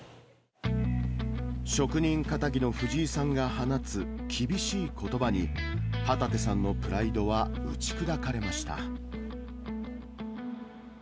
職人かたぎの藤井さんが放つ厳しいことばに、旗手さんのプライドは打ち砕かれました。